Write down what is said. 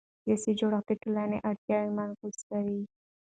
سیاسي جوړښت د ټولنې اړتیاوې منعکسوي